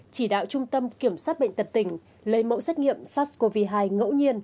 chỉ đạo trung tâm kiểm soát bệnh tật tỉnh lấy mẫu xét nghiệm sars cov hai ngẫu nhiên